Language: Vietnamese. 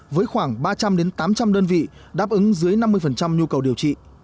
với khoảng ba trăm linh tám trăm linh đơn vị đáp ứng dưới năm mươi nhu cầu điều trị